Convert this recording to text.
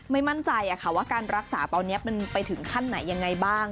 ไม่มั่นใจว่าการรักษาตอนนี้มันไปถึงขั้นไหนยังไงบ้าง